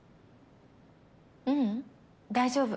ううん大丈夫。